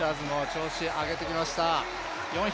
調子を上げてきました。